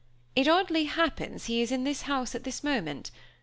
It oddly happens he is in this house at this moment.